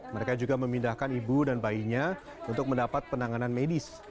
mereka juga memindahkan ibu dan bayinya untuk mendapat penanganan medis